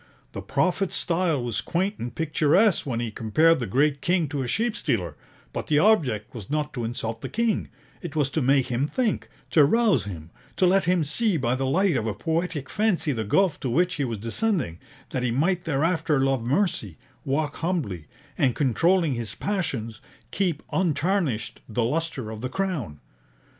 The prophet's style was quaint and picturesque when he compared the great king to a sheep stealer; but the object was not to insult the king, it was to make him think, to rouse him; to let him see by the light of a poetic fancy the gulf to which he was descending, that he might thereafter love mercy, walk humbly, and, controlling his passions, keep untarnished the lustre of the Crown.